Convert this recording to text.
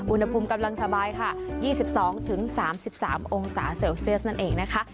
อุณหภูมิกำลังสบายค่ะ๒๒๓๓องศาเซลเซียสนั่นเองนะคะ